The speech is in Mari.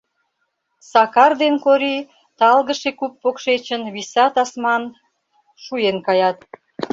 Сакар ден Кори талгыше куп покшечын виса тасман шуен каят.